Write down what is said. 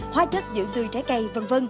hóa chất giữ tươi trái cây